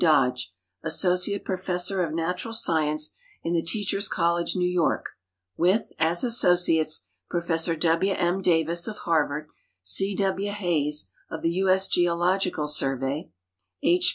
Dodge, Associate Professor of Natural Science in the Teachers College, New York, with, as associates. Prof. W. M. Davis, of Harvard ; C. W. Hayes, of the U. S. Geological GEOGRA I'll I <• SKRIALS !):i Survej ; H.